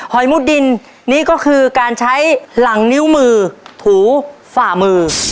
อยมุดดินนี่ก็คือการใช้หลังนิ้วมือถูฝ่ามือ